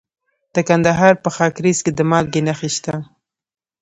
د کندهار په خاکریز کې د مالګې نښې شته.